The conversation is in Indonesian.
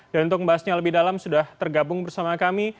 dan untuk membahasnya lebih dalam sudah tergabung bersama kami